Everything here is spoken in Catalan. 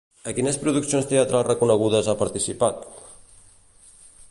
A quines produccions teatrals reconegudes ha participat?